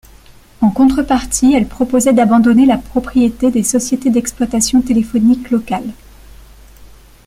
En contrepartie, elle proposait d'abandonner la propriété des sociétés d'exploitation téléphonique locales.